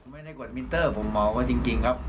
ไม่ได้กดมินเตอร์ผมมองว่าจริงครับ